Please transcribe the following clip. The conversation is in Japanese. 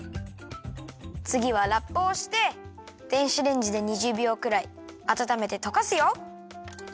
つぎはラップをして電子レンジで２０びょうくらいあたためてとかすよ！